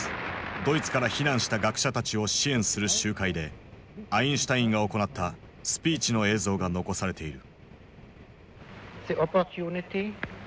ドイツから避難した学者たちを支援する集会でアインシュタインが行ったスピーチの映像が残されている。